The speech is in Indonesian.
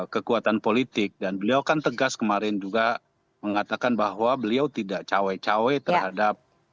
kekuatan politik dan beliau kan tegas kemarin juga mengatakan bahwa beliau tidak cawe cawe terhadap